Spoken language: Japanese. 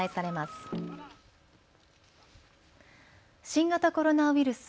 新型コロナウイルス。